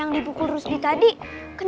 olah seguridad rupanya dikit